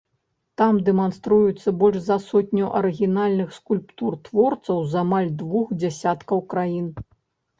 Там дэманструецца больш за сотню арыгінальных скульптур творцаў з амаль двух дзясяткаў краін.